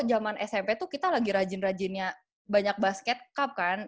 zaman smp itu kita lagi rajin rajinnya banyak basket cup kan